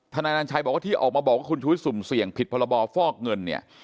นายนันชัยบอกว่าที่ออกมาบอกว่าคุณชุวิตสุ่มเสี่ยงผิดพรบฟอกเงินเนี่ย